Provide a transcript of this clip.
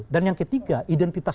dan yang ketiga identitas